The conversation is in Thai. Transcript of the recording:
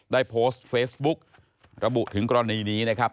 ได้โพสต์เฟซบุ๊กระบุถึงกรณีนี้นะครับ